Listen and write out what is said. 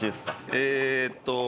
えっと。